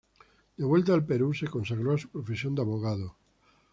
De vuelta al Perú, se consagró a su profesión de abogado.